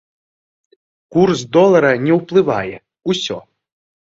Курс долара не ўплывае, усё!